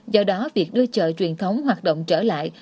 do đó việc đưa chợ truyền thống hoạt động trở lại